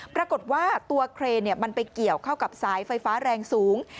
ปรากฏว่าตัวเครนมันไปเกี่ยวเข้ากับสายไฟฟ้าแรงสูง